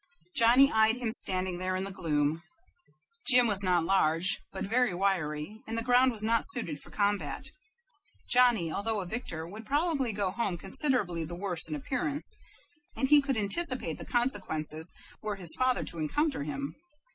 Johnny eyed him standing there in the gloom. Jim was not large, but very wiry, and the ground was not suited for combat. Johnny, although a victor, would probably go home considerably the worse in appearance; and he could anticipate the consequences were his father to encounter him.